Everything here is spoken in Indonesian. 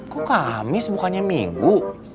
kok kamis bukannya minggu